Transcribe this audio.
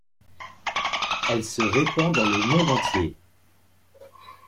Elle se répand dans le monde entier.